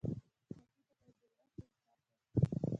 ټپي ته باید د مرستې احساس ورکړو.